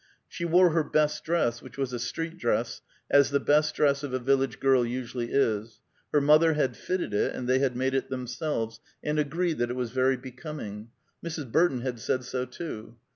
She wore her best dress, which was a street dress, as the best dress of a village girl usually is; her mother had fitted it, and they had made it themselves, and agreed that it was very becoming; Mrs. Burton had said so, too.